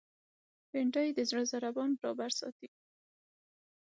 بېنډۍ د زړه ضربان برابر ساتي